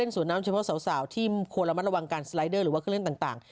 สวนน้ำเฉพาะสาวที่ควรระมัดระวังการสไลเดอร์หรือว่าเครื่องเล่นต่าง